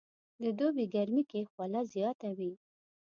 د دوبي ګرمي کې خوله زياته وي